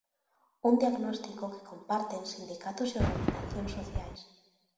Un diagnóstico que comparten sindicatos e organizacións sociais.